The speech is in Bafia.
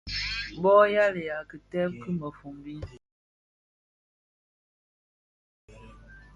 Bo lamiya kibèè ki mëfombi,